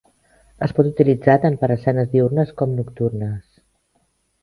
Es pot utilitzar tant per a escenes diürnes com nocturnes.